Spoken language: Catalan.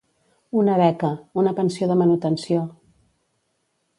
Una beca, una pensió de manutenció.